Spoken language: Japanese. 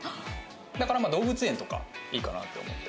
だからまあ動物園とかいいかなって思って。